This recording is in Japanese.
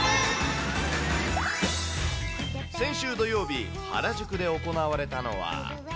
先週土曜日、原宿で行われたのは。